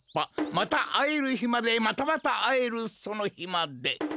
またあえるひまでまたまたあえるそのひまで。